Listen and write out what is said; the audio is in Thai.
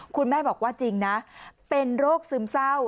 คุณแม่บอกว่าจริงนะเป็นโรคซึมเศร้า